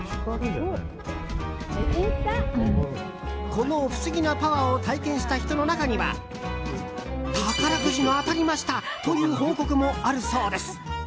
この不思議なパワーを体験した人の中には宝くじが当たりましたという報告もあるそうです。